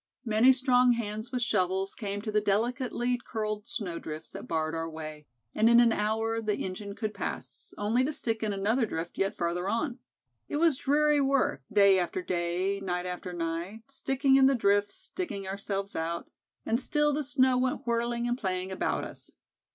Many strong hands with shovels came to the delicately curled snowdrifts that barred our way, and in an hour the engine could pass only to stick in another drift yet farther on. It was dreary work day after day, night after night, sticking in the drifts, digging ourselves out, and still the snow went whirling and playing about us.